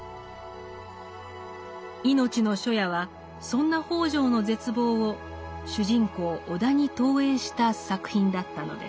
「いのちの初夜」はそんな北條の絶望を主人公・尾田に投影した作品だったのです。